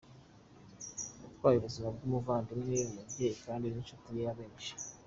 Yatwaye ubuzima bw’umuvandimwe, umubyeyi kandi inshuti ya benshi.